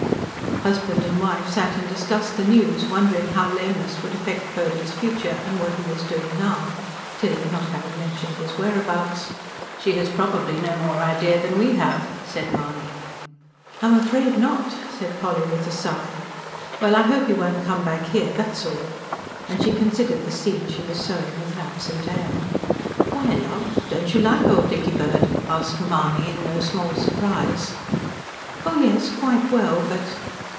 Husband and wife sat and discussed the news, wondered how lameness would affect Purdy's future and what he was doing now, Tilly not having mentioned his whereabouts. "She has probably no more idea than we have," said Mahony. "I'm afraid not," said Polly with a sigh. "Well, I hope he won't come back here, that's all"; and she considered the seam she was sewing, with an absent air. "Why, love? Don't you like old Dickybird?" asked Mahony in no small surprise. "Oh yes, quite well. But..."